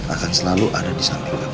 akan selalu ada di samping